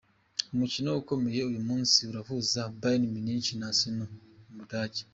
Umukino ukomeye uyu munsi urahuza Bayern Munich na Arsenal mu Budage.